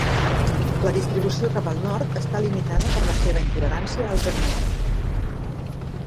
La distribució cap al nord està limitada per la seva intolerància al permagel.